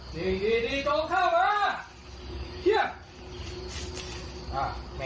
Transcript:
สิ่งดีก็เข้ามา